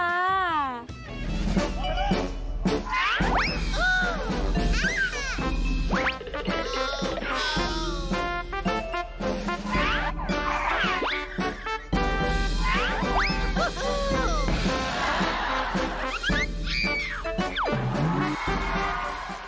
โอ๊ย